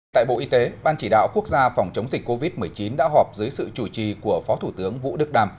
tại bộ y tế ban chỉ đạo quốc gia phòng chống dịch covid một mươi chín đã họp dưới sự chủ trì của phó thủ tướng vũ đức đàm